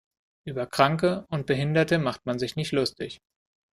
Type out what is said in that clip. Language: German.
Über Kranke und Behinderte macht man sich nicht lustig.